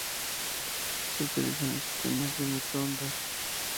Se utilizan en sistemas de microondas.